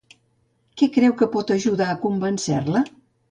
Què creu que pot ajudar a convèncer-la?